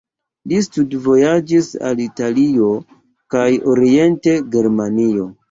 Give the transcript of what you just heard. Li studvojaĝis al Italio kaj Orienta Germanio.